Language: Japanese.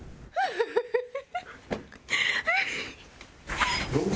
フフフフ！